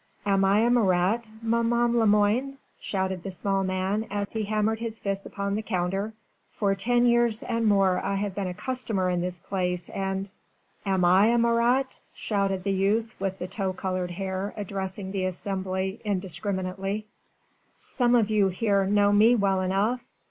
"Am I a Marat, maman Lemoine?" shouted the small man as he hammered his fists upon the counter. "For ten years and more I have been a customer in this place and...." "Am I a Marat?" shouted the youth with the tow coloured hair addressing the assembly indiscriminately. "Some of you here know me well enough.